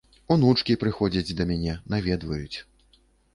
Унучкі прыходзяць да мяне, наведваюць.